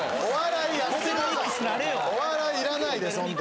お笑いいらないです